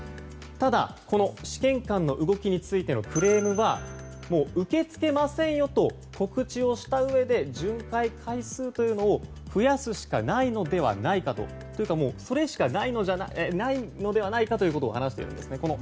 ただ、試験官の動きについてのクレームは受け付けませんよと告知をしたうえで巡回回数というのを増やすしかないのではないか。というか、それしかないのではないかということを話しているんですね。